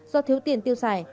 do thiếu tiền tiêu xài